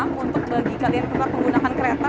dan memang untuk bagi kalian yang pernah menggunakan kereta